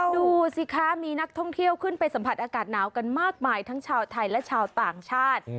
ดูสิคะมีนักท่องเที่ยวขึ้นไปสัมผัสอากาศหนาวกันมากมายทั้งชาวไทยและชาวต่างชาติ